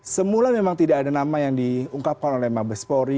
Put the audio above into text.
semula memang tidak ada nama yang diungkapkan oleh mabespori